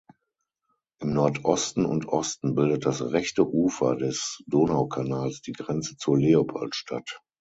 Im Nordosten und Osten bildet das rechte Ufer des Donaukanals die Grenze zur Leopoldstadt.